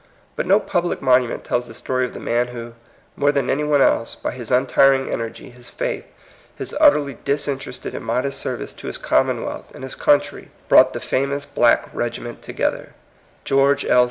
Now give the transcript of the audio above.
But no public monument tells the story of the man who, more than any one^else, by his untiring energy, his faith, his utterly disinterested and modest service to his Commonwealth and his country, brought the famous black regiment together, — George L.